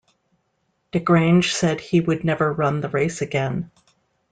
Desgrange said he would never run the race again.